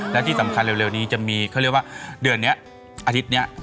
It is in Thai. และที่สำคัญเร็วนี้จะมีเขาเรียกว่าเดือนนี้อาทิตย์นี้